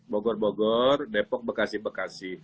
bogor bogor depok bekasi bekasi